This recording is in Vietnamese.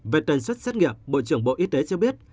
về tần suất xét nghiệm bộ trưởng bộ y tế cho biết